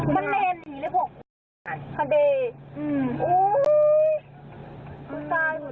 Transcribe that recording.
มันนแน่งมันแน่ง